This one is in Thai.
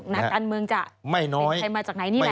นักการเมืองจะเป็นใครมาจากไหนนี่แหละ